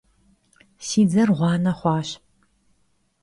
Si dzer ğuane xhuaş.